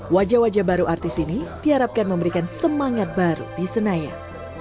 wajah wajah baru artis ini diharapkan memberikan semangat baru di senayan